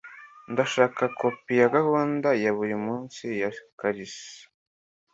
Ndashaka kopi ya gahunda ya buri munsi ya Kalisa.